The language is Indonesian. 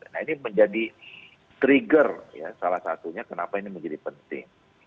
nah ini menjadi trigger ya salah satunya kenapa ini menjadi penting